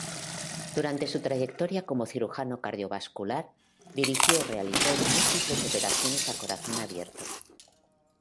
Durante su trayectoria como cirujano cardiovascular, dirigió y realizó múltiples operaciones a corazón abierto.